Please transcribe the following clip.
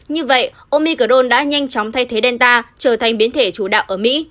như vậy omicron đã nhanh chóng thay thế delta trở thành biến thể chủ đạo ở mỹ